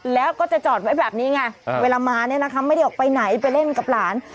แล้วก็จะจอดไว้แบบนี้ไงเวลามาเนี่ยนะคะไม่ได้ออกไปไหนไปเล่นกับหลาน